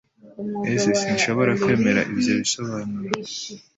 S Sinshobora kwemera ibyo bisobanuro